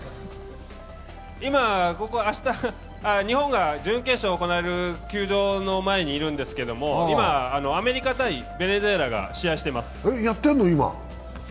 今、明日日本が準決勝を行う球場の前にいるんですけど、今、アメリカ×ベネズエラが試合しています。